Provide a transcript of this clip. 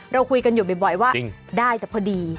เราคุยกันอยู่บ่อยว่าได้แต่พอดี